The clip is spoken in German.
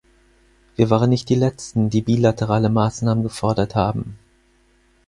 Wir waren nicht die letzten, die bilaterale Maßnahmen gefordert haben.